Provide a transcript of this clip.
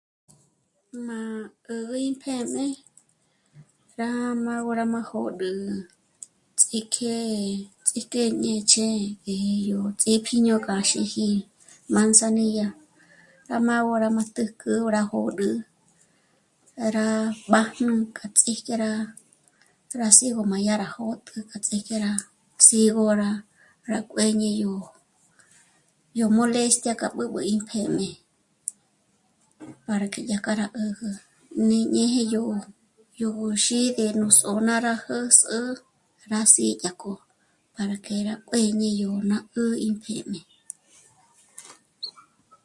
Má 'ä́'ä ímpjém'e rá má gó, rá má jó'o rú ts'íjk'e... ts'íjk'e ñêch'e í yó ts'ípjíño k'a xíji manzanilla, rá má'a gó rá t'ä́jk'ä rá jö́rü, rá b'ájn'ú k'a rá ts'íj dye rá, rá sígo má yá rá jö̌jtjü k'a dya rá sígo rá, rá kuéñi'i yó..., yó molestia k'a b'ǚb'ü ímpjém'e para que yá k'a rá 'ä́jä, ñej ñé'e yó... yó xí dyanú só'n'a rá jä̌s'ü yá sí'dyájk'o para que rá kuéñe yó ná 'ä́'ä ímpjém'e